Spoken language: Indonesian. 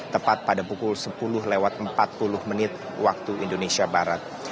tepat pada pukul sepuluh lewat empat puluh menit waktu indonesia barat